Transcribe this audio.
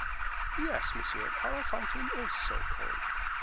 "Yes, monsieur, our fountain is so called.